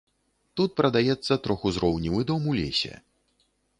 Тут прадаецца трохузроўневы дом у лесе.